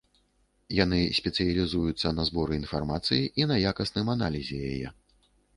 Яны спецыялізуюцца на зборы інфармацыі і на якасным аналізе яе.